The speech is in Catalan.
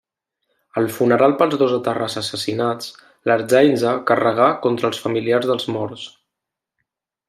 Al funeral pels dos etarres assassinats, l'Ertzaintza carregà contra els familiars dels morts.